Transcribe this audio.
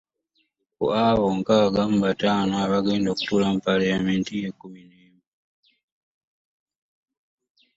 Ku abo nkaaga mu bataano abagenda okutuula mu Palamenti y'ekkumi n'emu.